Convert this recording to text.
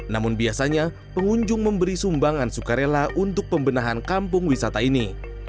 namun biasanya pengunjung memberi sumbangan sukarela untuk pembenahan kampung wisata ini